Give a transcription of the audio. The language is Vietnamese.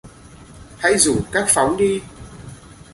Hãy rủ các phóng đi